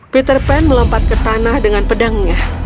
peter pan melompat ke tanah dengan pedangnya